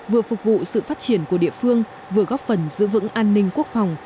vừa phục vụ sự phát triển của địa phương vừa góp phần giữ vững an ninh quốc phòng